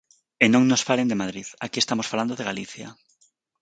E non nos falen de Madrid, aquí estamos falando de Galicia.